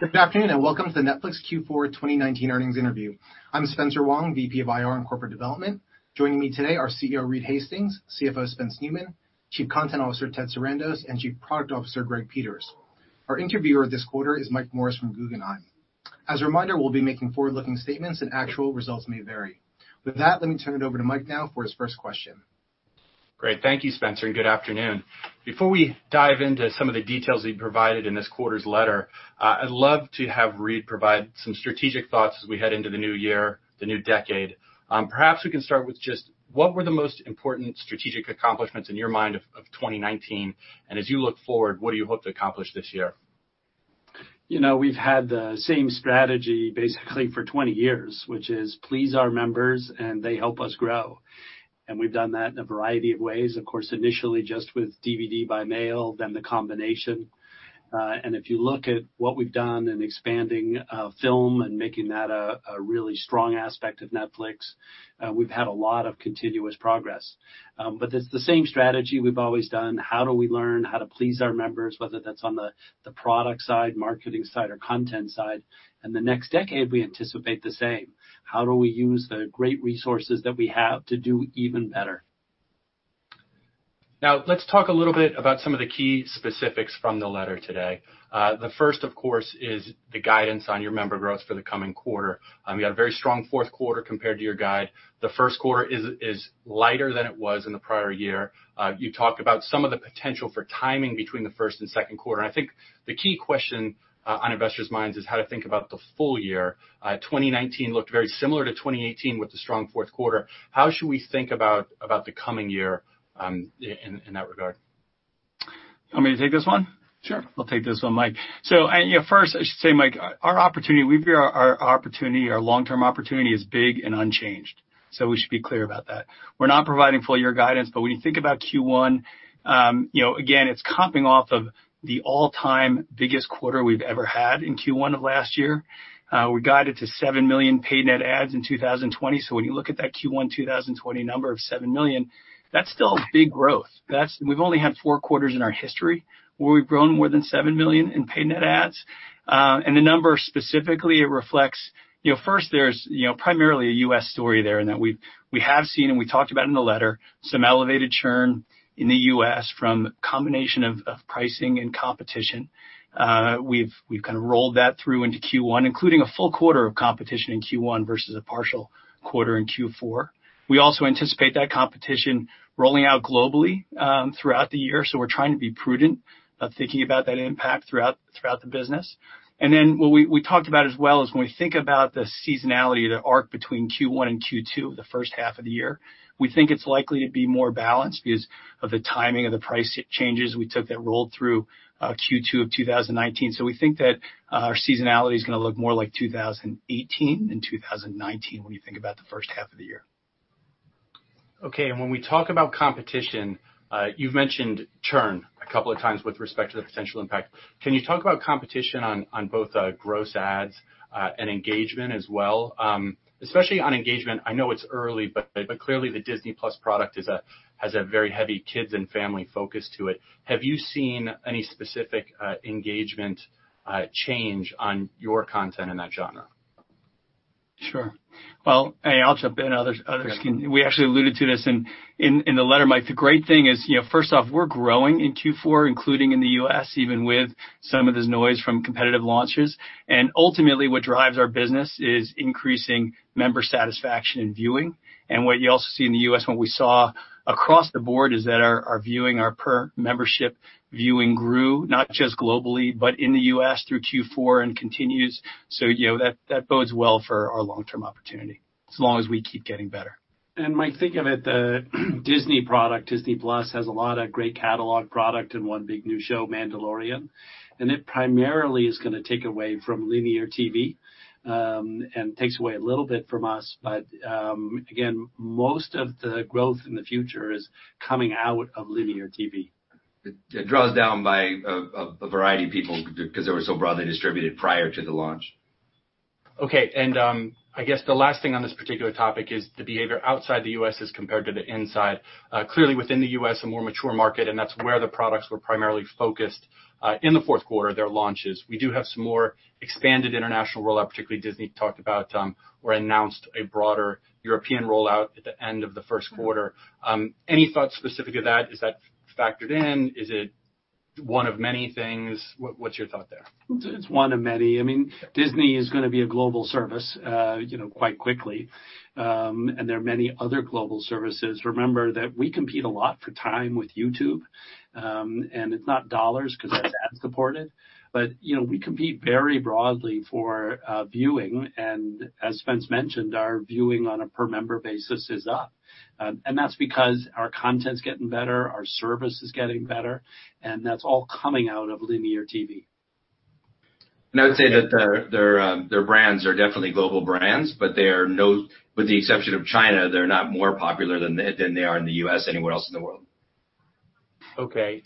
Good afternoon, and welcome to the Netflix Q4 2019 earnings interview. I'm Spencer Wang, VP of IR and Corporate Development. Joining me today are CEO Reed Hastings, CFO Spencer Neumann, Chief Content Officer Ted Sarandos, and Chief Product Officer Greg Peters. Our interviewer this quarter is Michael Morris from Guggenheim. As a reminder, we'll be making forward-looking statements, and actual results may vary. With that, let me turn it over to Mike now for his first question. Great. Thank you, Spencer, and good afternoon. Before we dive into some of the details that you provided in this quarter's letter, I'd love to have Reed provide some strategic thoughts as we head into the new year, the new decade. Perhaps we can start with just what were the most important strategic accomplishments in your mind of 2019, and as you look forward, what do you hope to accomplish this year? We've had the same strategy basically for 20 years, which is please our members, and they help us grow. We've done that in a variety of ways. Of course, initially just with DVD by mail, then the combination. If you look at what we've done in expanding film and making that a really strong aspect of Netflix, we've had a lot of continuous progress. It's the same strategy we've always done. How do we learn how to please our members, whether that's on the product side, marketing side, or content side. In the next decade, we anticipate the same. How do we use the great resources that we have to do even better? Now, let's talk a little bit about some of the key specifics from the letter today. The first, of course, is the guidance on your member growth for the coming quarter. You had a very strong fourth quarter compared to your guide. The first quarter is lighter than it was in the prior year. You talked about some of the potential for timing between the first and second quarter, and I think the key question on investors' minds is how to think about the full year. 2019 looked very similar to 2018 with the strong fourth quarter. How should we think about the coming year in that regard? You want me to take this one? Sure. I'll take this one, Mike. First, I should say, Mike, our long-term opportunity is big and unchanged, so we should be clear about that. We're not providing full year guidance, but when you think about Q1, again, it's comping off of the all-time biggest quarter we've ever had in Q1 of last year. We guided to 7 million paid net adds in 2020. When you look at that Q1 2020 number of 7 million, that's still a big growth. We've only had four quarters in our history where we've grown more than 7 million in paid net adds. The number specifically, it reflects, first, there's primarily a U.S. story there in that we have seen, and we talked about in the letter, some elevated churn in the U.S. from combination of pricing and competition. We've kind of rolled that through into Q1, including a full quarter of competition in Q1 versus a partial quarter in Q4. We also anticipate that competition rolling out globally throughout the year, so we're trying to be prudent of thinking about that impact throughout the business. What we talked about as well is when we think about the seasonality, the arc between Q1 and Q2, the first half of the year, we think it's likely to be more balanced because of the timing of the price changes we took that rolled through Q2 of 2019. We think that our seasonality is going to look more like 2018 than 2019 when you think about the first half of the year. Okay. When we talk about competition, you've mentioned churn a couple of times with respect to the potential impact. Can you talk about competition on both gross adds and engagement as well? Especially on engagement, I know it's early, but clearly the Disney+ product has a very heavy kids and family focus to it. Have you seen any specific engagement change on your content in that genre? Sure. Well, I'll jump in. Others can- Okay we actually alluded to this in the letter, Mike. The great thing is, first off, we're growing in Q4, including in the U.S., even with some of this noise from competitive launches. Ultimately what drives our business is increasing member satisfaction and viewing. What you also see in the U.S., what we saw across the board is that our viewing, our per membership viewing grew, not just globally, but in the U.S. through Q4 and continues. That bodes well for our long-term opportunity as long as we keep getting better. Mike, think of it, the Disney product, Disney+, has a lot of great catalog product and one big new show, "The Mandalorian," and it primarily is going to take away from linear TV, and takes away a little bit from us. Again, most of the growth in the future is coming out of linear TV. It draws down by a variety of people because they were so broadly distributed prior to the launch. Okay. I guess the last thing on this particular topic is the behavior outside the U.S. as compared to the inside. Clearly within the U.S., a more mature market, and that's where the products were primarily focused in the fourth quarter, their launches. We do have some more expanded international rollout, particularly Disney talked about or announced a broader European rollout at the end of the first quarter. Any thought specific to that? Is that factored in? Is it one of many things? What's your thought there? It's one of many. Disney is going to be a global service quite quickly. There are many other global services. Remember that we compete a lot for time with YouTube, and it's not dollars because that's ad supported. We compete very broadly for viewing, and as Spence mentioned, our viewing on a per member basis is up. That's because our content's getting better, our service is getting better, and that's all coming out of linear TV. I would say that their brands are definitely global brands, but with the exception of China, they're not more popular than they are in the U.S. anywhere else in the world. Okay.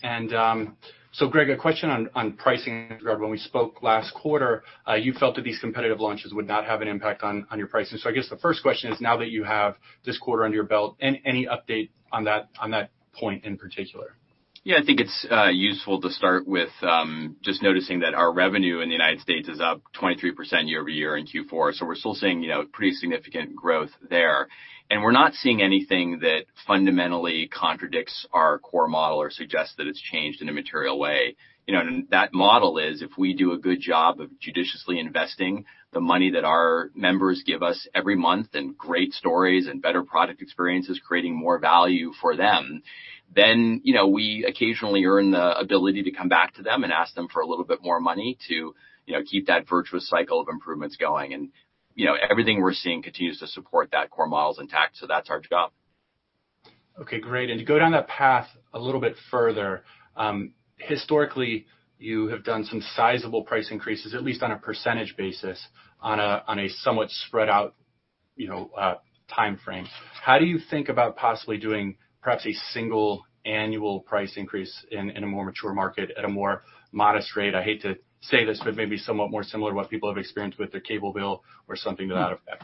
Greg, a question on pricing. When we spoke last quarter, you felt that these competitive launches would not have an impact on your pricing. I guess the first question is, now that you have this quarter under your belt, any update on that point in particular? Yeah, I think it's useful to start with just noticing that our revenue in the United States is up 23% year-over-year in Q4. We're still seeing pretty significant growth there. We're not seeing anything that fundamentally contradicts our core model or suggests that it's changed in a material way. That model is, if we do a good job of judiciously investing the money that our members give us every month, and great stories and better product experiences, creating more value for them, then we occasionally earn the ability to come back to them and ask them for a little bit more money to keep that virtuous cycle of improvements going. Everything we're seeing continues to support that core model's intact, so that's our job. Okay, great. To go down that path a little bit further, historically, you have done some sizable price increases, at least on a percentage basis, on a somewhat spread out timeframe. How do you think about possibly doing perhaps a single annual price increase in a more mature market at a more modest rate? I hate to say this, maybe somewhat more similar to what people have experienced with their cable bill or something to that effect.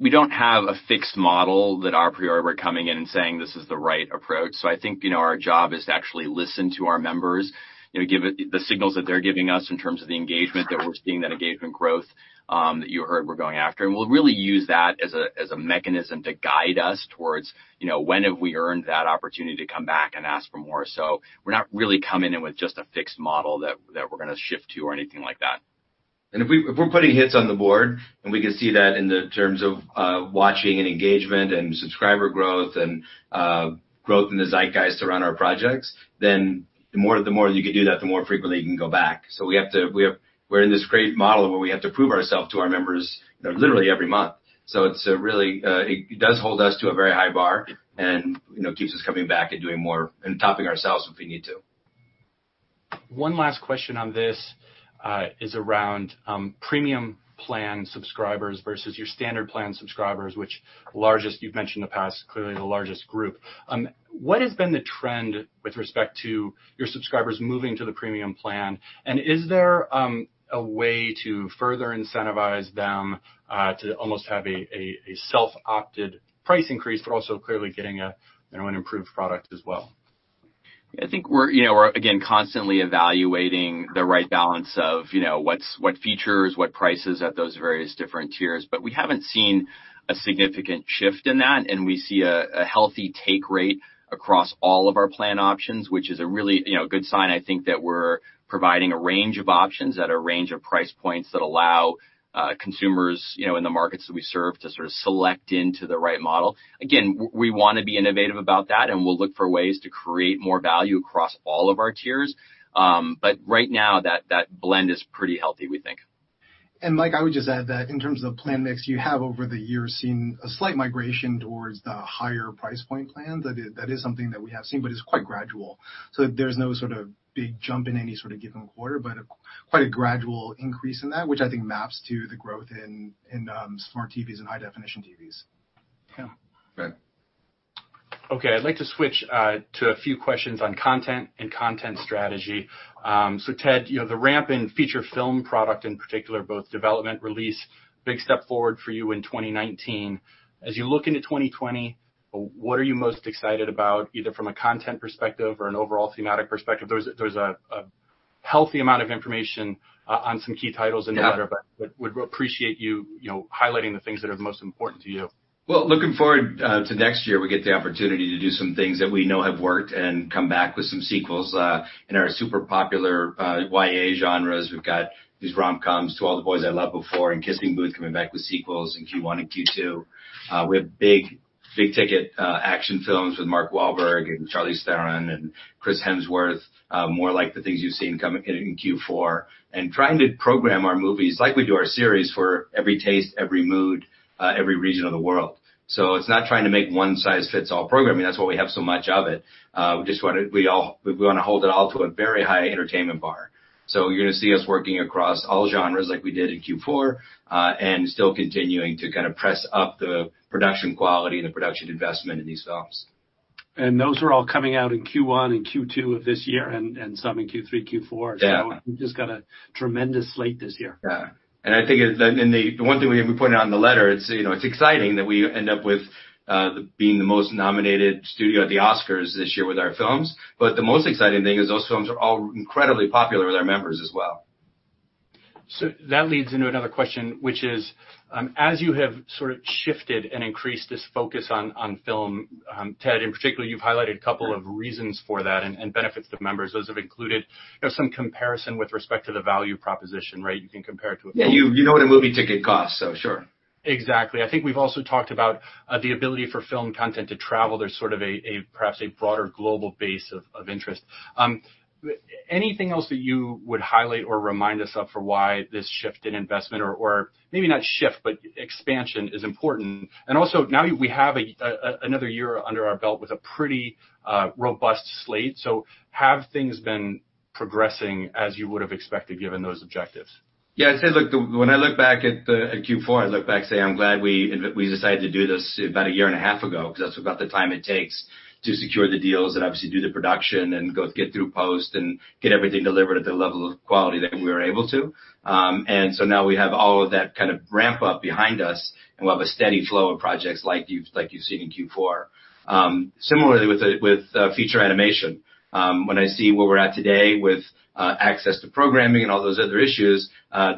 We don't have a fixed model that a priori we're coming in and saying this is the right approach. I think our job is to actually listen to our members, give the signals that they're giving us in terms of the engagement that we're seeing, that engagement growth that you heard we're going after. We'll really use that as a mechanism to guide us towards when have we earned that opportunity to come back and ask for more. We're not really coming in with just a fixed model that we're going to shift to or anything like that. If we're putting hits on the board, and we can see that in the terms of watching and engagement and subscriber growth and growth in the zeitgeist around our projects, then the more that you can do that, the more frequently you can go back. We're in this great model where we have to prove ourselves to our members literally every month. It does hold us to a very high bar and keeps us coming back and doing more and topping ourselves if we need to. One last question on this is around premium plan subscribers versus your standard plan subscribers, which you've mentioned in the past, clearly the largest group. What has been the trend with respect to your subscribers moving to the premium plan? Is there a way to further incentivize them to almost have a self-opted price increase, but also clearly getting an improved product as well? I think we're, again, constantly evaluating the right balance of what features, what prices at those various different tiers. We haven't seen a significant shift in that, and we see a healthy take rate across all of our plan options, which is a really good sign, I think, that we're providing a range of options at a range of price points that allow consumers in the markets that we serve to sort of select into the right model. Again, we want to be innovative about that, and we'll look for ways to create more value across all of our tiers. Right now, that blend is pretty healthy, we think. Mike, I would just add that in terms of plan mix, you have over the years seen a slight migration towards the higher price point plans. That is something that we have seen, but it's quite gradual. There's no sort of big jump in any sort of given quarter, but quite a gradual increase in that, which I think maps to the growth in smart TVs and high-definition TVs. Yeah. Right. Okay. I'd like to switch to a few questions on content and content strategy. Ted, the ramp in feature film product in particular, both development, release, big step forward for you in 2019. As you look into 2020, what are you most excited about, either from a content perspective or an overall thematic perspective? There's a healthy amount of information on some key titles in the letter. Yeah Would appreciate you highlighting the things that are most important to you. Looking forward to next year, we get the opportunity to do some things that we know have worked and come back with some sequels. In our super popular YA genres, we've got these rom-coms, "To All the Boys I've Loved Before" and "The Kissing Booth" coming back with sequels in Q1 and Q2. We have big ticket action films with Mark Wahlberg and Charlize Theron and Chris Hemsworth, more like the things you've seen coming in Q4, and trying to program our movies, like we do our series, for every taste, every mood, every region of the world. It's not trying to make one size fits all programming. That's why we have so much of it. We want to hold it all to a very high entertainment bar. You're going to see us working across all genres like we did in Q4, and still continuing to press up the production quality and the production investment in these films. Those are all coming out in Q1 and Q2 of this year and some in Q3, Q4. Yeah. We've just got a tremendous slate this year. Yeah. I think the one thing we pointed out in the letter, it's exciting that we end up with being the most nominated studio at the Oscars this year with our films. The most exciting thing is those films are all incredibly popular with our members as well. That leads into another question, which is, as you have sort of shifted and increased this focus on film, Ted, in particular, you've highlighted a couple of reasons for that and benefits to members. Those have included some comparison with respect to the value proposition, right? You can compare it to a movie. Yeah. You know what a movie ticket costs, so sure. Exactly. I think we've also talked about the ability for film content to travel. There's sort of perhaps a broader global base of interest. Anything else that you would highlight or remind us of for why this shift in investment or maybe not shift, but expansion is important? Also, now we have another year under our belt with a pretty robust slate. Have things been progressing as you would've expected, given those objectives? Yeah. I'd say, look, when I look back at Q4, I look back and say, I'm glad we decided to do this about a year and a half ago, because that's about the time it takes to secure the deals and obviously do the production and go get through post and get everything delivered at the level of quality that we were able to. Now we have all of that kind of ramp up behind us, and we'll have a steady flow of projects like you've seen in Q4. Similarly with feature animation. When I see where we're at today with access to programming and all those other issues,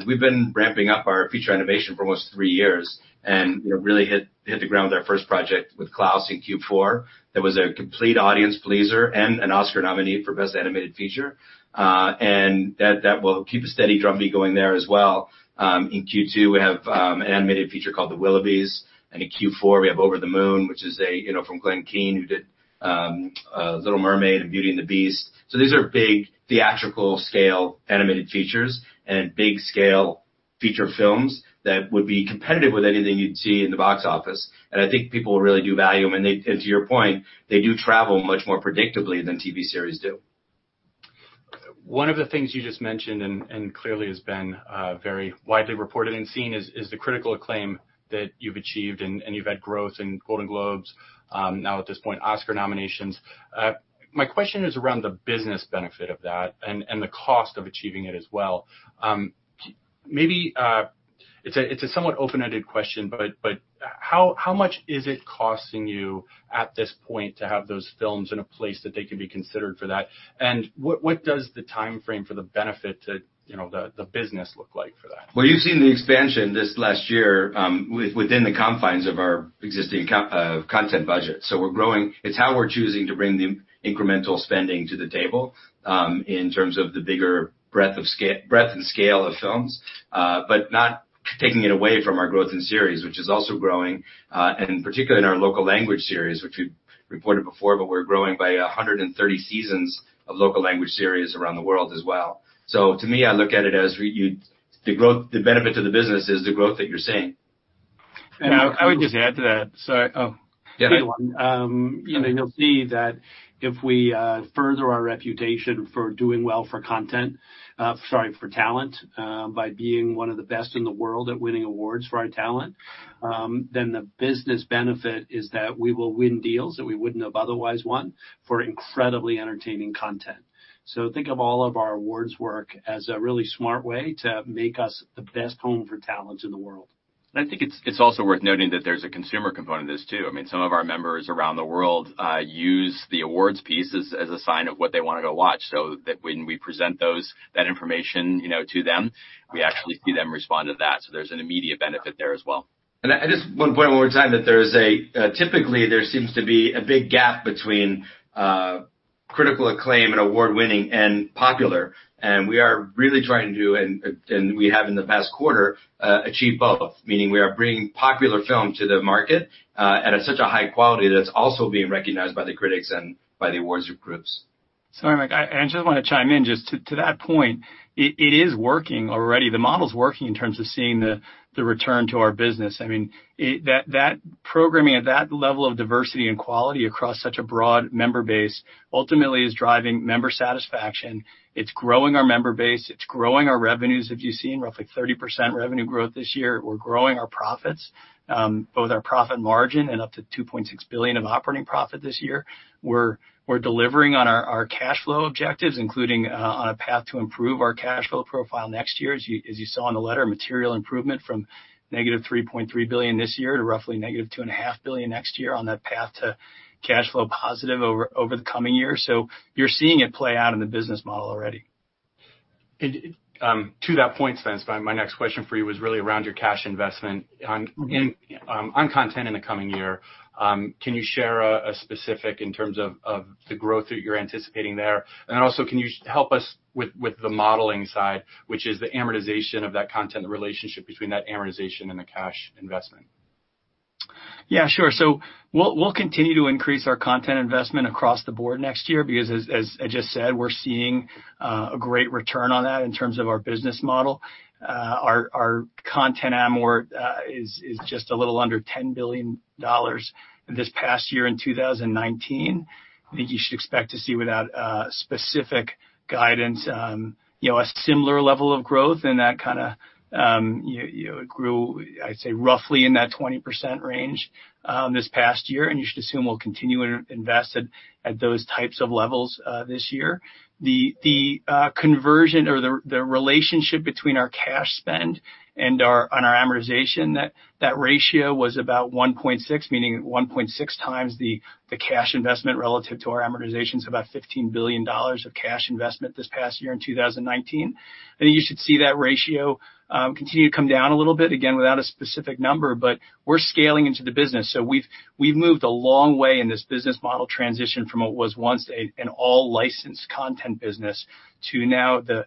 we've been ramping up our feature animation for almost three years, and really hit the ground with our first project with Klaus in Q4. That was a complete audience pleaser and an Oscar nominee for Best Animated Feature. That will keep a steady drumbeat going there as well. In Q2, we have an animated feature called "The Willoughbys," and in Q4, we have "Over the Moon," which is from Glen Keane, who did "The Little Mermaid" and "Beauty and the Beast." These are big theatrical scale animated features and big scale feature films that would be competitive with anything you'd see in the box office. I think people really do value them. To your point, they do travel much more predictably than TV series do. One of the things you just mentioned and clearly has been very widely reported and seen is the critical acclaim that you've achieved, and you've had growth in Golden Globes, now at this point, Oscar nominations. My question is around the business benefit of that and the cost of achieving it as well. It's a somewhat open-ended question, but how much is it costing you at this point to have those films in a place that they can be considered for that? What does the timeframe for the benefit to the business look like for that? You've seen the expansion this last year within the confines of our existing content budget. We're growing. It's how we're choosing to bring the incremental spending to the table, in terms of the bigger breadth and scale of films. Not taking it away from our growth in series, which is also growing, and particularly in our local language series, which we've reported before, we're growing by 130 seasons of local language series around the world as well. To me, I look at it as the benefit to the business is the growth that you're seeing. I would just add to that. Sorry. Oh. Yeah. You'll see that if we further our reputation for doing well for talent, by being one of the best in the world at winning awards for our talent, then the business benefit is that we will win deals that we wouldn't have otherwise won for incredibly entertaining content. Think of all of our awards work as a really smart way to make us the best home for talents in the world. I think it's also worth noting that there's a consumer component of this, too. Some of our members around the world use the awards piece as a sign of what they want to go watch. When we present that information to them, we actually see them respond to that. There's an immediate benefit there as well. Just one point, one more time, that typically, there seems to be a big gap between critical acclaim and award-winning and popular. We are really trying to, and we have in the past quarter, achieve both, meaning we are bringing popular film to the market at such a high quality that it's also being recognized by the critics and by the awards groups. Sorry, Mike. I just want to chime in just to that point. It is working already. The model's working in terms of seeing the return to our business. That programming at that level of diversity and quality across such a broad member base ultimately is driving member satisfaction. It's growing our member base. It's growing our revenues, as you've seen, roughly 30% revenue growth this year. We're growing our profits, both our profit margin and up to $2.6 billion of operating profit this year. We're delivering on our cash flow objectives, including on a path to improve our cash flow profile next year, as you saw in the letter, material improvement from negative $3.3 billion this year to roughly negative $2.5 billion next year on that path to cash flow positive over the coming year. You're seeing it play out in the business model already. To that point, Spence, my next question for you was really around your cash investment on content in the coming year. Can you share a specific in terms of the growth that you're anticipating there? Also, can you help us with the modeling side, which is the amortization of that content, the relationship between that amortization and the cash investment? Yeah, sure. We'll continue to increase our content investment across the board next year because as I just said, we're seeing a great return on that in terms of our business model. Our content amortization is just a little under $10 billion this past year in 2019. I think you should expect to see without specific guidance, a similar level of growth and that grew, I'd say, roughly in that 20% range this past year, and you should assume we'll continue to invest at those types of levels this year. The conversion or the relationship between our cash spend and on our amortization, that ratio was about 1.6, meaning 1.6 times the cash investment relative to our amortization, about $15 billion of cash investment this past year in 2019. I think you should see that ratio continue to come down a little bit, again, without a specific number, but we're scaling into the business. We've moved a long way in this business model transition from what was once an all-licensed content business to now the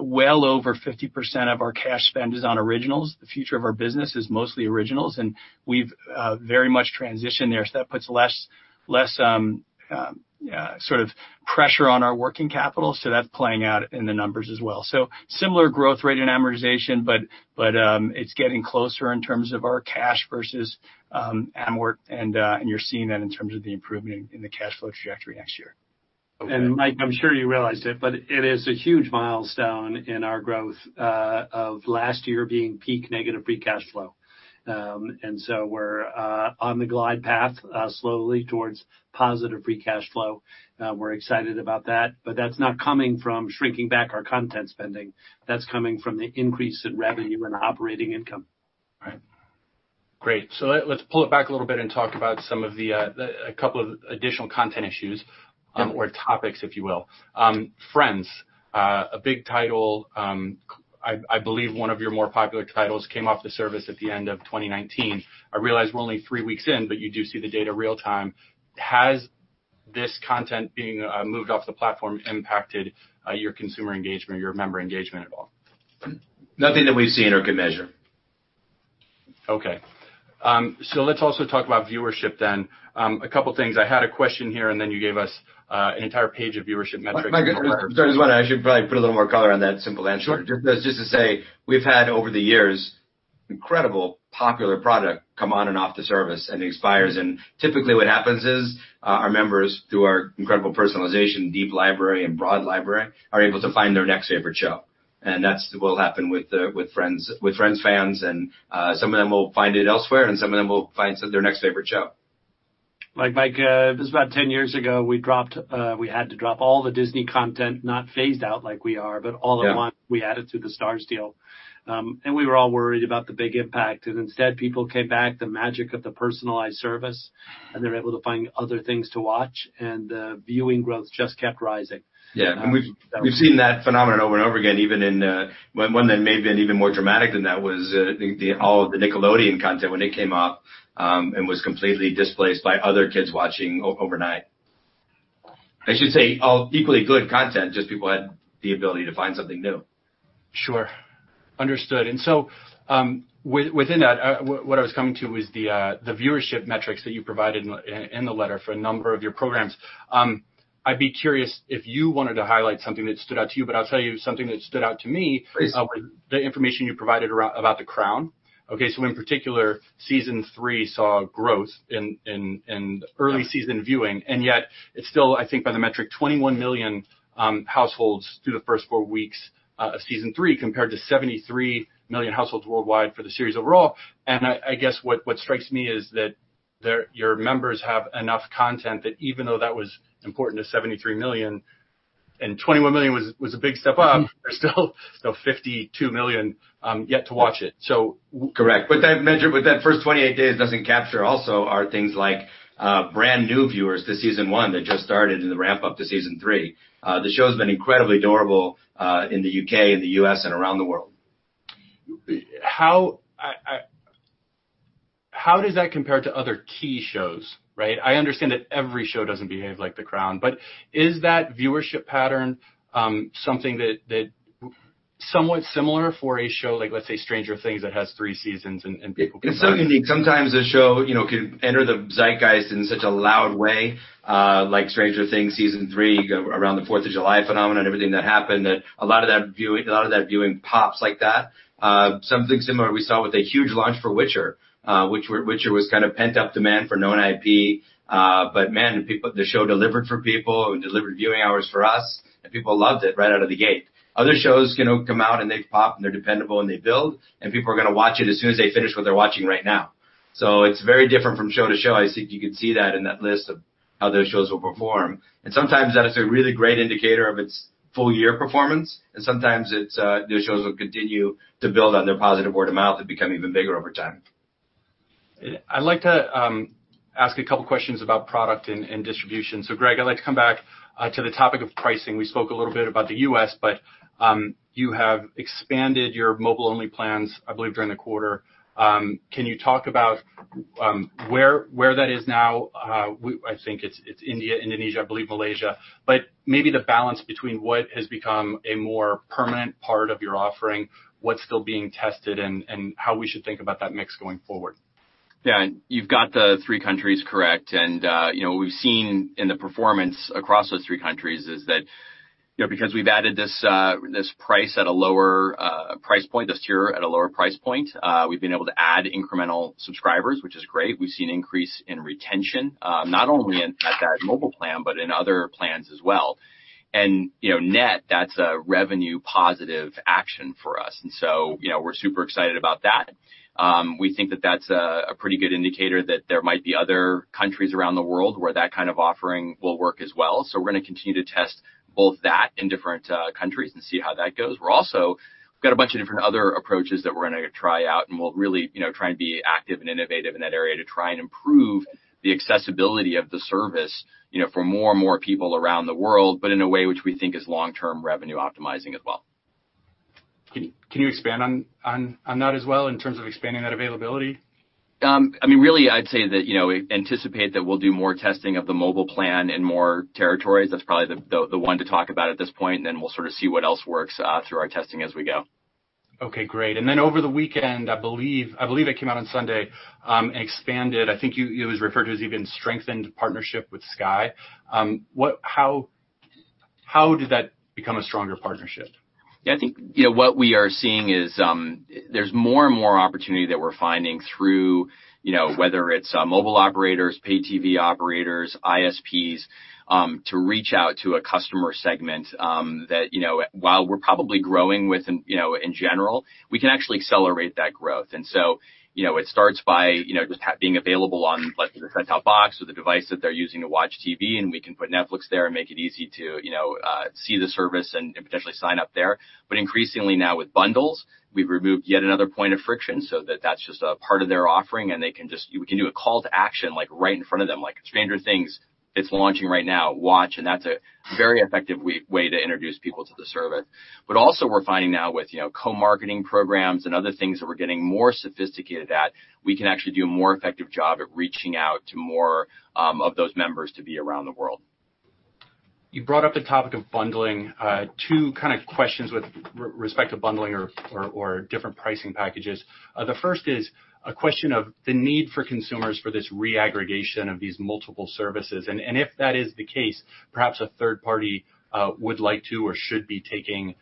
well over 50% of our cash spend is on originals. The future of our business is mostly originals, and we've very much transitioned there. That puts less pressure on our working capital. That's playing out in the numbers as well. Similar growth rate in amortization, but it's getting closer in terms of our cash versus amort, and you're seeing that in terms of the improvement in the cash flow trajectory next year. Okay. Mike, I'm sure you realized it, but it is a huge milestone in our growth of last year being peak negative free cash flow. We're on the glide path slowly towards positive free cash flow. We're excited about that, but that's not coming from shrinking back our content spending. That's coming from the increase in revenue and operating income. Right. Great. Let's pull it back a little bit and talk about a couple of additional content issues or topics, if you will. "Friends," a big title, I believe one of your more popular titles, came off the service at the end of 2019. I realize we're only three weeks in, but you do see the data real time. Has this content being moved off the platform impacted your consumer engagement, your member engagement at all? Nothing that we've seen or can measure. Let's also talk about viewership then. A couple things. I had a question here. You gave us an entire page of viewership metrics. Mike, sorry to interrupt. I should probably put a little more color on that simple answer. Sure. Just to say, we've had, over the years, incredible popular product come on and off the service and expires. Typically what happens is our members, through our incredible personalization, deep library, and broad library, are able to find their next favorite show. That's what will happen with "Friends" fans, and some of them will find it elsewhere, and some of them will find their next favorite show. Mike, it was about 10 years ago, we had to drop all the Disney content, not phased out like we are. Yeah All at once. We added to the Starz deal. We were all worried about the big impact, and instead, people came back, the magic of the personalized service, and they're able to find other things to watch. The viewing growth just kept rising. Yeah. We've seen that phenomenon over and over again, one that may have been even more dramatic than that was all of the Nickelodeon content when it came off and was completely displaced by other kids watching overnight. I should say, all equally good content, just people had the ability to find something new. Sure. Understood. Within that, what I was coming to was the viewership metrics that you provided in the letter for a number of your programs. I'd be curious if you wanted to highlight something that stood out to you, but I'll tell you something that stood out to me. Please. The information you provided about "The Crown." Okay, in particular, Season 3 saw growth in early- Yeah season viewing, yet it's still, I think by the metric, 21 million households through the first four weeks of Season 3, compared to 73 million households worldwide for the series overall. I guess what strikes me is that your members have enough content that even though that was important to 73 million, and 21 million was a big step up, there's still 52 million yet to watch it. Correct. What that metric with that first 28 days doesn't capture also are things like brand-new viewers to Season 1 that just started in the ramp-up to Season 3. The show's been incredibly durable in the U.K., in the U.S., and around the world. How does that compare to other key shows, right? Is that viewership pattern something that somewhat similar for a show like, let's say, "Stranger Things" that has three seasons and people can. It's so unique. Sometimes a show can enter the zeitgeist in such a loud way, like "Stranger Things" Season 3, around the Fourth of July phenomenon, everything that happened, that a lot of that viewing pops like that. Something similar we saw with a huge launch for "Witcher," which was kind of pent-up demand for known IP. Man, the show delivered for people. It delivered viewing hours for us, and people loved it right out of the gate. Other shows can come out, and they pop, and they're dependable, and they build, and people are going to watch it as soon as they finish what they're watching right now. It's very different from show to show. I think you can see that in that list of how those shows will perform. Sometimes that is a really great indicator of its full-year performance, and sometimes those shows will continue to build on their positive word of mouth and become even bigger over time. I'd like to ask a couple questions about product and distribution. Greg, I'd like to come back to the topic of pricing. We spoke a little bit about the U.S., you have expanded your mobile-only plans, I believe, during the quarter. Can you talk about where that is now? I think it's India, Indonesia, I believe Malaysia. Maybe the balance between what has become a more permanent part of your offering, what's still being tested, and how we should think about that mix going forward. Yeah. You've got the three countries correct, and what we've seen in the performance across those three countries is that because we've added this tier at a lower price point, we've been able to add incremental subscribers, which is great. We've seen increase in retention, not only at that mobile plan, but in other plans as well. Net, that's a revenue-positive action for us. We're super excited about that. We think that that's a pretty good indicator that there might be other countries around the world where that kind of offering will work as well. We're going to continue to test both that in different countries and see how that goes. We've also got a bunch of different other approaches that we're going to try out, and we'll really try and be active and innovative in that area to try and improve the accessibility of the service for more and more people around the world, but in a way which we think is long-term revenue optimizing as well. Can you expand on that as well in terms of expanding that availability? I mean, really, I'd say that anticipate that we'll do more testing of the mobile plan in more territories. That's probably the one to talk about at this point. We'll sort of see what else works through our testing as we go. Okay, great. Over the weekend, I believe it came out on Sunday, expanded, I think it was referred to as even strengthened partnership with Sky. How did that become a stronger partnership? I think what we are seeing is there's more and more opportunity that we're finding through whether it's mobile operators, pay TV operators, ISPs, to reach out to a customer segment that while we're probably growing with in general, we can actually accelerate that growth. It starts by just being available on the set-top box or the device that they're using to watch TV, and we can put Netflix there and make it easy to see the service and potentially sign up there. Increasingly now with bundles, we've removed yet another point of friction so that that's just a part of their offering, and we can do a call to action right in front of them, like "Stranger Things," it's launching right now, watch. That's a very effective way to introduce people to the service. Also we're finding now with co-marketing programs and other things that we're getting more sophisticated at, we can actually do a more effective job at reaching out to more of those members to be around the world. You brought up the topic of bundling. Two kind of questions with respect to bundling or different pricing packages. The first is a question of the need for consumers for this reaggregation of these multiple services, and if that is the case, perhaps a third party would like to or should be taking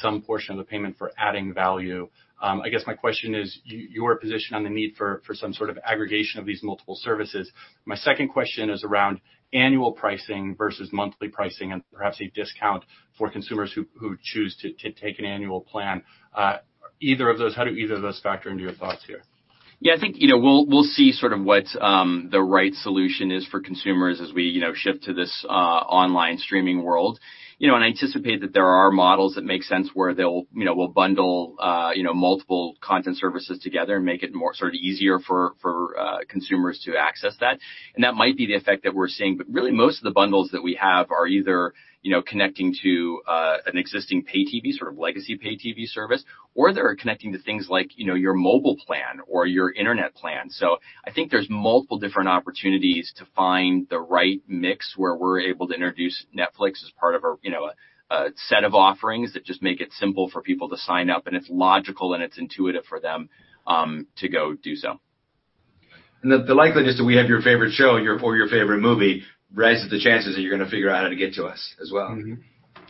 some portion of the payment for adding value. I guess my question is your position on the need for some sort of aggregation of these multiple services. My second question is around annual pricing versus monthly pricing and perhaps a discount for consumers who choose to take an annual plan. How do either of those factor into your thoughts here? Yeah, I think we'll see sort of what the right solution is for consumers as we shift to this online streaming world. I anticipate that there are models that make sense where they'll bundle multiple content services together and make it more easier for consumers to access that. That might be the effect that we're seeing. Really most of the bundles that we have are either connecting to an existing pay TV, sort of legacy pay TV service, or they're connecting to things like your mobile plan or your internet plan. I think there's multiple different opportunities to find the right mix where we're able to introduce Netflix as part of a set of offerings that just make it simple for people to sign up, and it's logical and it's intuitive for them to go do so. The likeliness that we have your favorite show or your favorite movie raises the chances that you're going to figure out how to get to us as well.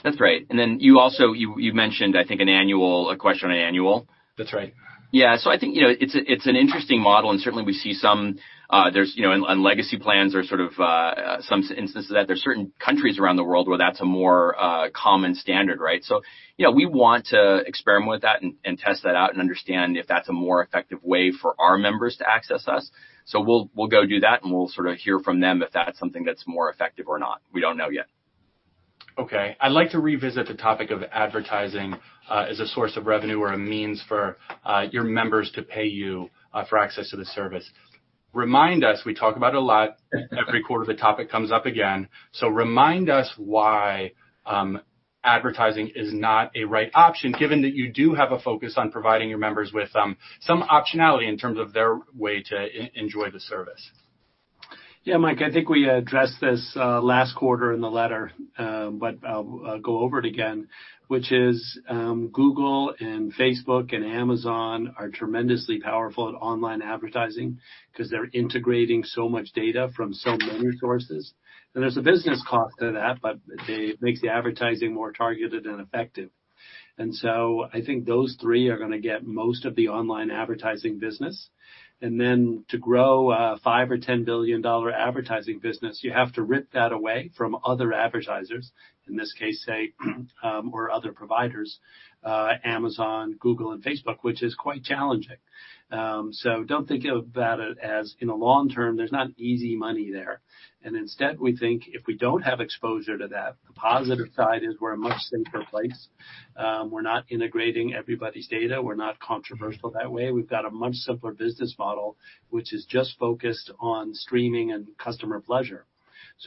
That's right. You also mentioned, I think a question on annual. That's right. Yeah. I think it's an interesting model and certainly we see on legacy plans or sort of some instances of that. There's certain countries around the world where that's a more common standard, right? We want to experiment with that and test that out and understand if that's a more effective way for our members to access us. We'll go do that, and we'll sort of hear from them if that's something that's more effective or not. We don't know yet. Okay. I'd like to revisit the topic of advertising as a source of revenue or a means for your members to pay you for access to the service. Remind us, we talk about it a lot. Every quarter, the topic comes up again. Remind us why advertising is not a right option, given that you do have a focus on providing your members with some optionality in terms of their way to enjoy the service. Yeah, Mike, I think we addressed this last quarter in the letter, but I'll go over it again, which is Google and Facebook and Amazon are tremendously powerful at online advertising because they're integrating so much data from so many sources. There's a business cost to that, but it makes the advertising more targeted and effective. I think those three are going to get most of the online advertising business. To grow a $5 billion or $10 billion advertising business, you have to rip that away from other advertisers, in this case, say, or other providers, Amazon, Google, and Facebook, which is quite challenging. Don't think about it as in the long term, there's not easy money there. Instead, we think if we don't have exposure to that, the positive side is we're a much simpler place. We're not integrating everybody's data. We're not controversial that way. We've got a much simpler business model, which is just focused on streaming and customer pleasure.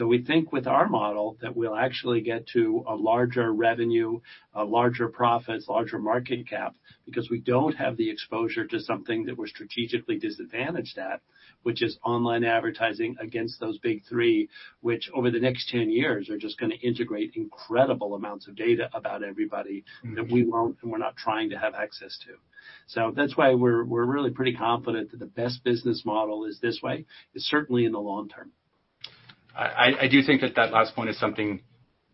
We think with our model that we'll actually get to a larger revenue, larger profits, larger market cap, because we don't have the exposure to something that we're strategically disadvantaged at, which is online advertising against those big three, which over the next 10 years are just going to integrate incredible amounts of data about everybody that we won't and we're not trying to have access to. That's why we're really pretty confident that the best business model is this way, certainly in the long term. I do think that that last point is something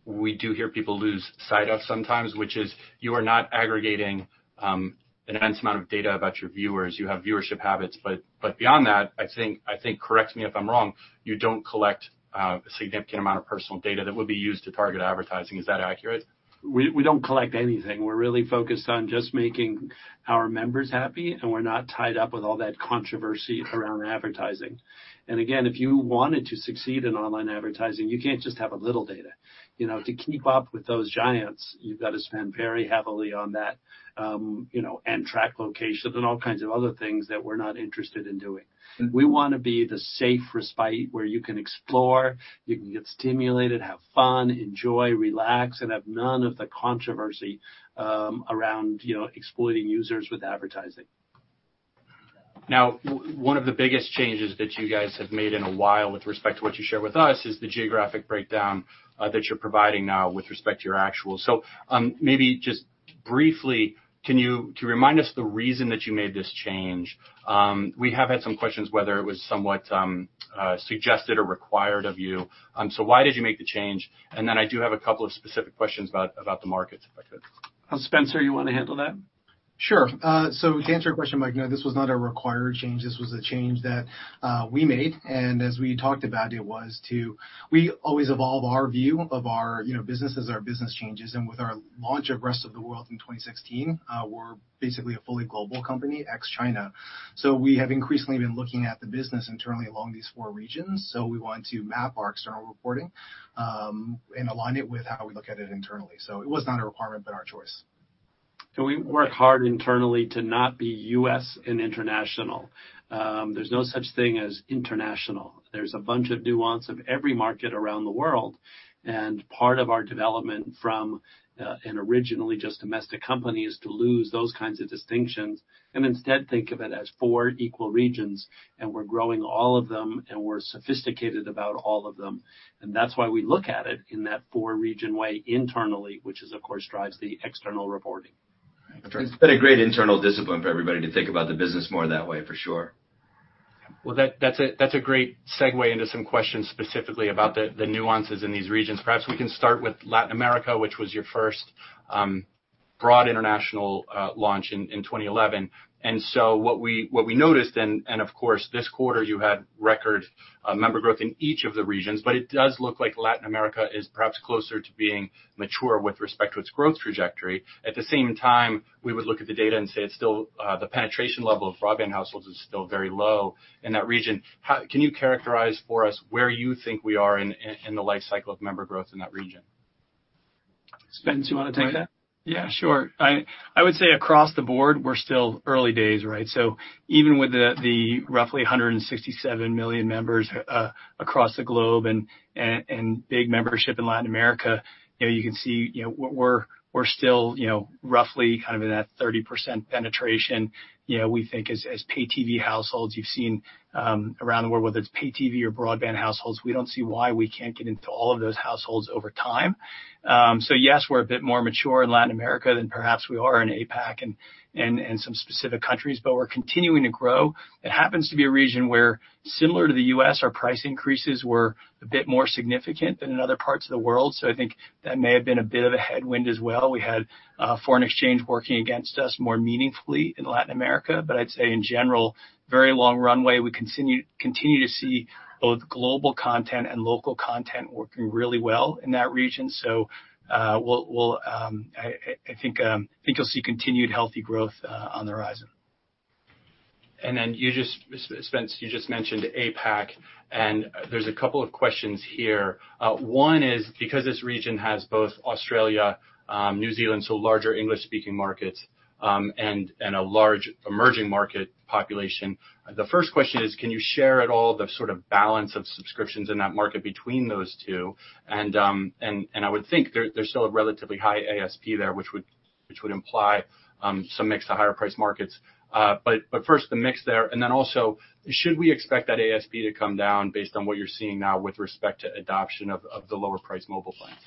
we do hear people lose sight of sometimes, which is you are not aggregating an immense amount of data about your viewers. You have viewership habits. Beyond that, I think, correct me if I'm wrong, you don't collect a significant amount of personal data that would be used to target advertising. Is that accurate? We don't collect anything. We're really focused on just making our members happy, and we're not tied up with all that controversy around advertising. Again, if you wanted to succeed in online advertising, you can't just have a little data. To keep up with those giants, you've got to spend very heavily on that, and track locations and all kinds of other things that we're not interested in doing. We want to be the safe respite where you can explore, you can get stimulated, have fun, enjoy, relax, and have none of the controversy around exploiting users with advertising. Now, one of the biggest changes that you guys have made in a while with respect to what you share with us is the geographic breakdown that you're providing now with respect to your actuals. Maybe just briefly, can you remind us the reason that you made this change? We have had some questions whether it was somewhat suggested or required of you. Why did you make the change? Then I do have a couple of specific questions about the markets, if I could. Spencer, you want to handle that? Sure. To answer your question, Mike, no, this was not a required change. This was a change that we made. As we talked about, we always evolve our view of our business as our business changes. With our launch of Rest of the World in 2016, we're basically a fully global company, ex-China. We have increasingly been looking at the business internally along these four regions. We want to map our external reporting and align it with how we look at it internally. It was not a requirement, but our choice. We work hard internally to not be "U.S. and international." There's no such thing as international. There's a bunch of nuance of every market around the world, and part of our development from an originally just domestic company is to lose those kinds of distinctions and instead think of it as four equal regions, and we're growing all of them, and we're sophisticated about all of them. That's why we look at it in that four-region way internally, which of course drives the external reporting. It's been a great internal discipline for everybody to think about the business more that way, for sure. Well, that's a great segue into some questions specifically about the nuances in these regions. Perhaps we can start with Latin America, which was your first broad international launch in 2011. What we noticed, and of course, this quarter, you had record member growth in each of the regions, but it does look like Latin America is perhaps closer to being mature with respect to its growth trajectory. At the same time, we would look at the data and say the penetration level of broadband households is still very low in that region. Can you characterize for us where you think we are in the life cycle of member growth in that region? Spence, you want to take that? Yeah, sure. I would say across the board, we're still early days, right? Even with the roughly 167 million members across the globe and big membership in Latin America, you can see we're still roughly in that 30% penetration. We think as pay TV households, you've seen around the world, whether it's pay TV or broadband households, we don't see why we can't get into all of those households over time. Yes, we're a bit more mature in Latin America than perhaps we are in APAC and some specific countries, but we're continuing to grow. It happens to be a region where, similar to the U.S., our price increases were a bit more significant than in other parts of the world. I think that may have been a bit of a headwind as well. We had foreign exchange working against us more meaningfully in Latin America. I'd say in general, very long runway. We continue to see both global content and local content working really well in that region. I think you'll see continued healthy growth on the horizon. Then, Spence, you just mentioned APAC, and there's a couple of questions here. One is because this region has both Australia, New Zealand, so larger English-speaking markets, and a large emerging market population. The first question is, can you share at all the sort of balance of subscriptions in that market between those two? And I would think there's still a relatively high ASP there, which would imply some mix to higher priced markets. But first, the mix there, and then also, should we expect that ASP to come down based on what you're seeing now with respect to adoption of the lower priced mobile plans?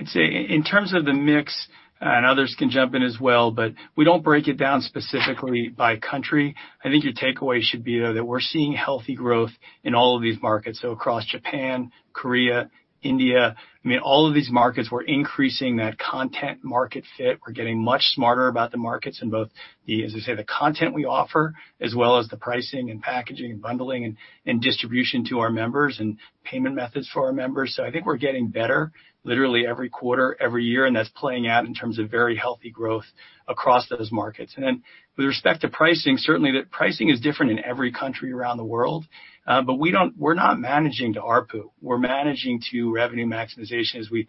I'd say in terms of the mix, and others can jump in as well, but we don't break it down specifically by country. I think your takeaway should be, though, that we're seeing healthy growth in all of these markets. Across Japan, Korea, India, all of these markets, we're increasing that content market fit. We're getting much smarter about the markets in both the, as I say, the content we offer, as well as the pricing and packaging and bundling and distribution to our members and payment methods for our members. I think we're getting better literally every quarter, every year, and that's playing out in terms of very healthy growth across those markets. With respect to pricing, certainly the pricing is different in every country around the world. We're not managing to ARPU. We're managing to revenue maximization as we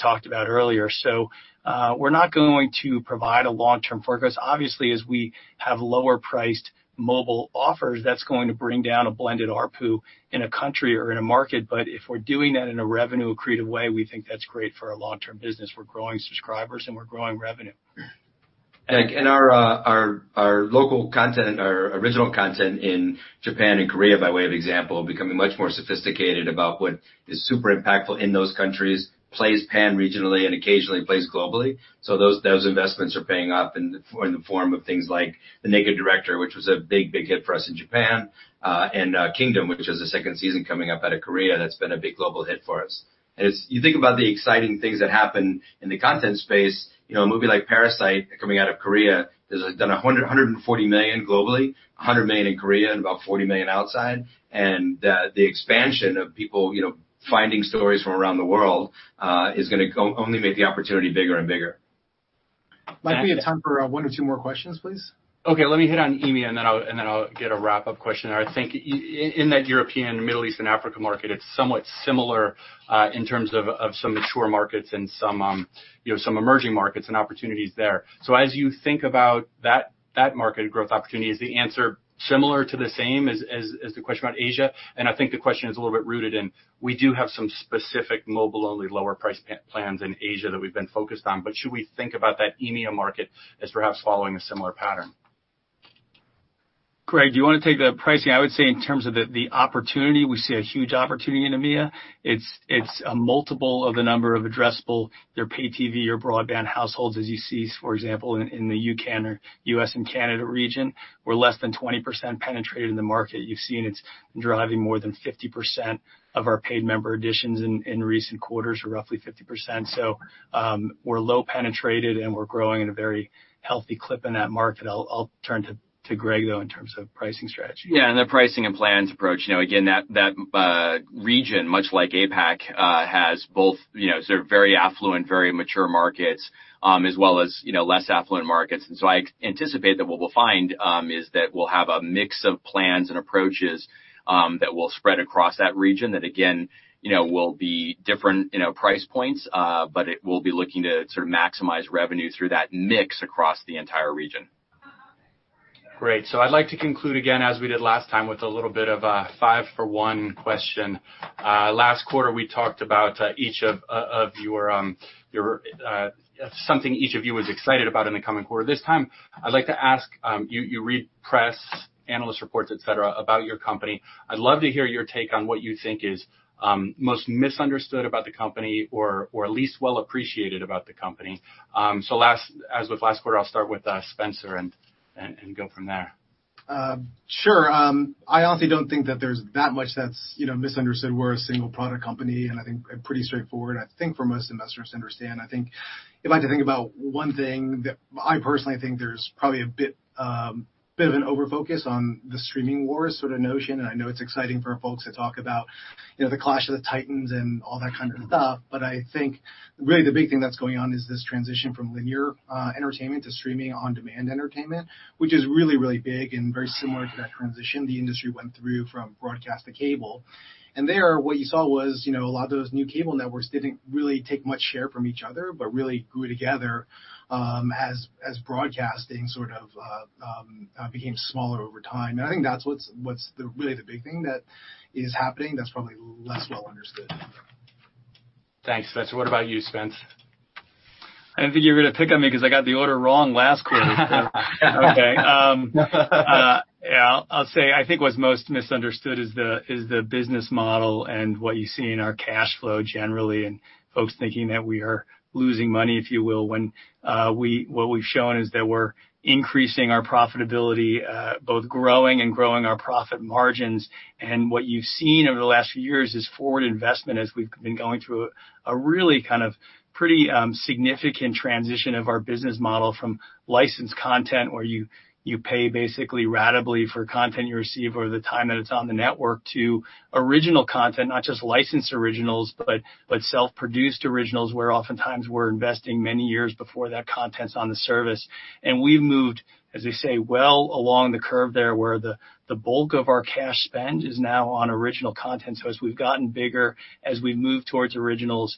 talked about earlier. We're not going to provide a long-term forecast. Obviously, as we have lower priced mobile offers, that's going to bring down a blended ARPU in a country or in a market. If we're doing that in a revenue accretive way, we think that's great for our long-term business. We're growing subscribers and we're growing revenue. Our local content and our original content in Japan and Korea, by way of example, becoming much more sophisticated about what is super impactful in those countries, plays pan-regionally and occasionally plays globally. Those investments are paying off in the form of things like "The Naked Director," which was a big, big hit for us in Japan, and "Kingdom," which has a second season coming up out of Korea, that's been a big global hit for us. As you think about the exciting things that happen in the content space, a movie like "Parasite" coming out of Korea has done $140 million globally, $100 million in Korea, and about $40 million outside. The expansion of people finding stories from around the world is going to only make the opportunity bigger and bigger. Might be a time for one or two more questions, please. Okay, let me hit on EMEA, and then I'll get a wrap-up question. I think in that European, Middle East, and Africa market, it's somewhat similar in terms of some mature markets and some emerging markets and opportunities there. As you think about that market growth opportunity, is the answer similar to the same as the question about Asia? I think the question is a little bit rooted in, we do have some specific mobile-only lower priced plans in Asia that we've been focused on, but should we think about that EMEA market as perhaps following a similar pattern? Greg, do you want to take the pricing? I would say in terms of the opportunity, we see a huge opportunity in EMEA. It's a multiple of the number of addressable, your pay TV or broadband households, as you see, for example, in the U.S. and Canada region, we're less than 20% penetrated in the market. You've seen it's driving more than 50% of our paid member additions in recent quarters, or roughly 50%. We're low penetrated, and we're growing at a very healthy clip in that market. I'll turn to Greg, though, in terms of pricing strategy. Yeah, the pricing and plans approach. Again, that region, much like APAC, has both sort of very affluent, very mature markets as well as less affluent markets. I anticipate that what we'll find is that we'll have a mix of plans and approaches that will spread across that region that again will be different price points. It will be looking to maximize revenue through that mix across the entire region. Great. I'd like to conclude again, as we did last time, with a little bit of a five-for-one question. Last quarter, we talked about something each of you was excited about in the coming quarter. This time, I'd like to ask, you read press, analyst reports, et cetera, about your company. I'd love to hear your take on what you think is most misunderstood about the company or least well appreciated about the company. As with last quarter, I'll start with Spencer and go from there. Sure. I honestly don't think that there's that much that's misunderstood. We're a single product company, pretty straightforward, I think, for most investors to understand. I think if I had to think about one thing that I personally think there's probably a bit of an over-focus on the streaming wars sort of notion, I know it's exciting for folks to talk about the clash of the Titans and all that kind of stuff. I think really the big thing that's going on is this transition from linear entertainment to streaming on-demand entertainment, which is really, really big and very similar to that transition the industry went through from broadcast to cable. There, what you saw was a lot of those new cable networks didn't really take much share from each other, but really grew together as broadcasting sort of became smaller over time. I think that's what's really the big thing that is happening that's probably less well understood. Thanks, Spencer. What about you, Spence? I think you're going to pick on me because I got the order wrong last quarter. Okay. Yeah, I'll say I think what's most misunderstood is the business model and what you see in our cash flow generally, and folks thinking that we are losing money, if you will, when what we've shown is that we're increasing our profitability, both growing and growing our profit margins. What you've seen over the last few years is forward investment as we've been going through a really kind of pretty significant transition of our business model from licensed content, where you pay basically ratably for content you receive over the time that it's on the network to original content, not just licensed originals, but self-produced originals where oftentimes we're investing many years before that content's on the service. We've moved, as they say, well along the curve there where the bulk of our cash spend is now on original content. As we've gotten bigger, as we move towards originals,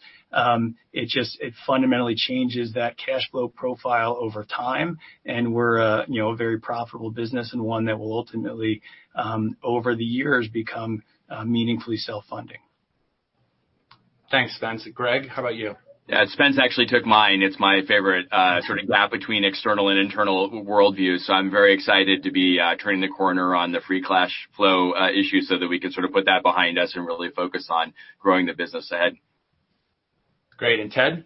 it fundamentally changes that cash flow profile over time, and we're a very profitable business and one that will ultimately, over the years, become meaningfully self-funding. Thanks, Spence. Greg, how about you? Yeah. Spence actually took mine. It's my favorite sort of gap between external and internal worldview. I'm very excited to be turning the corner on the free cash flow issue so that we can sort of put that behind us and really focus on growing the business ahead. Great. Ted?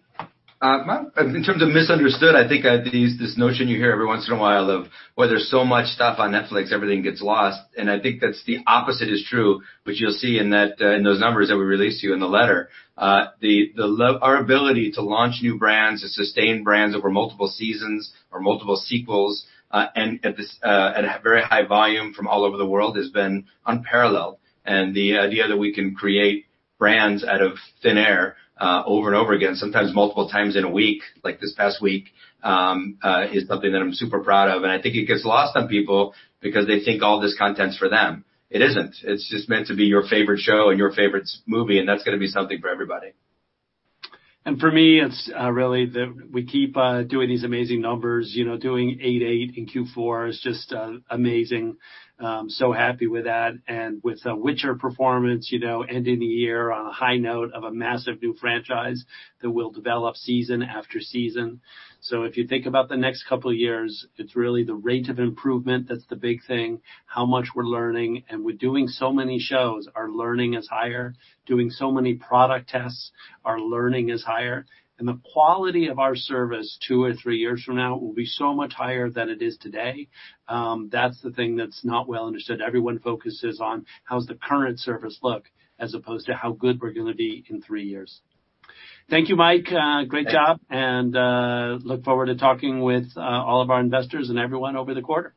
In terms of misunderstood, I think this notion you hear every once in a while of where there's so much stuff on Netflix, everything gets lost, and I think that the opposite is true. You'll see in those numbers that we released to you in the letter, our ability to launch new brands and sustain brands over multiple seasons or multiple sequels, and at a very high volume from all over the world has been unparalleled. The idea that we can create brands out of thin air over and over again, sometimes multiple times in a week, like this past week, is something that I'm super proud of, and I think it gets lost on people because they think all this content's for them. It isn't. It's just meant to be your favorite show and your favorite movie, and that's going to be something for everybody. For me, it's really that we keep doing these amazing numbers. Doing 88 in Q4 is just amazing. Happy with that and with "The Witcher" performance ending the year on a high note of a massive new franchise that will develop season after season. If you think about the next couple of years, it's really the rate of improvement that's the big thing, how much we're learning. We're doing so many shows, our learning is higher. Doing so many product tests, our learning is higher. The quality of our service two or three years from now will be so much higher than it is today. That's the thing that's not well understood. Everyone focuses on how's the current service look as opposed to how good we're going to be in three years. Thank you, Mike. Great job. Look forward to talking with all of our investors and everyone over the quarter.